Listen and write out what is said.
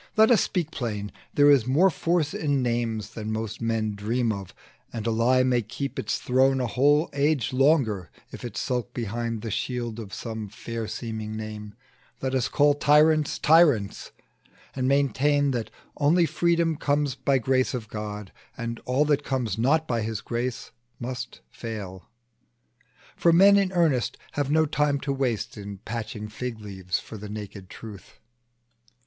Let us speak plain: there is more force in names Than most men dream of; and a lie may keep Its throne a whole age longer, if it skulk Behind the shield of some fair seeming name, Let us call tyrants, tyrants, and maintain, That only freedom comes by grace of God, And all that comes not by his grace must fall For men in earnest have no time to waste In patching fig leaves for the naked truth.